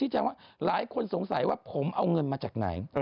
แจ้งว่าหลายคนสงสัยว่าผมเอาเงินมาจากไหน